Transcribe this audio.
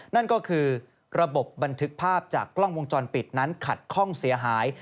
นั่นก็คือระบบบันทึกภาพจากกล้องวงจรปิดนั้นขัดข้องเสียหาย